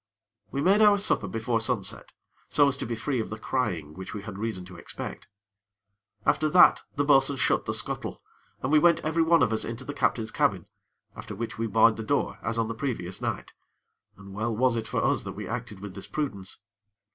We made our supper before sunset, so as to be free of the crying which we had reason to expect. After that, the bo'sun shut the scuttle, and we went every one of us into the captain's cabin, after which we barred the door, as on the previous night; and well was it for us that we acted with this prudence.